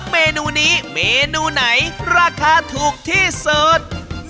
เมนูนี้เมนูไหนราคาถูกที่สุด